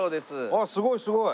あっすごいすごい。